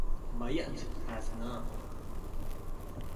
Mayotte has none.